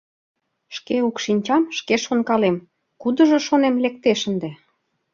Шке укшинчам, шке шонкалем: кудыжо, шонем, лектеш ынде?